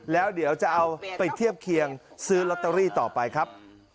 แล้วเดี๋ยวจะเอาไปเทียบเคียงซื้อลอตเตอรี่ต่อไปครับ